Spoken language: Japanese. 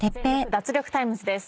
脱力タイムズ』です。